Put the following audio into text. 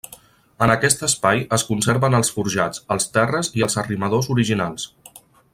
En aquest espai es conserven els forjats, els terres i els arrimadors originals.